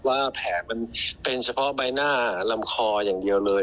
ว่าแผลเป็นเฉพาะใบหน้าลำคออย่างเดียวเลย